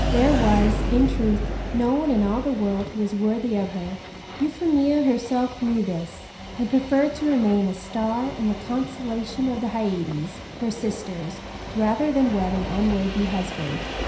There was, in truth, no one in all the world who was worthy of her. Euphemia herself knew this and preferred to remain a star in the constellation of the Hyades, her sisters, rather than wed an unworthy husband.